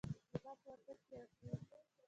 زما په وطن کې اغزي